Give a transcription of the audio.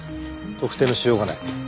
特定のしようがない。